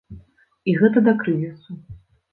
І гэта да крызісу.